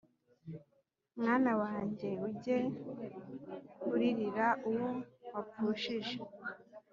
Mwana wanjye, ujye uririra uwo wapfushije,